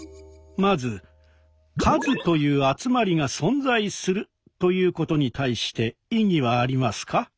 まず「『数』という集まりが存在する」ということに対して異議はありますか？